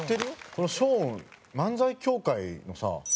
このショーン漫才協会のさ。